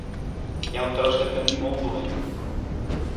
Hi ha un tros de camí molt dolent.